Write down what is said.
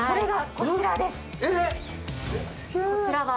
こちらが。